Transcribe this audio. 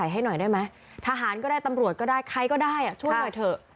ให้หน่อยได้ไหมทหารก็ได้ตำรวจก็ได้ใครก็ได้ช่วยหน่อยเถอะ